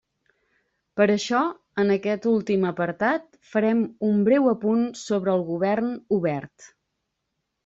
Per això, en aquest últim apartat farem un breu apunt sobre el Govern Obert.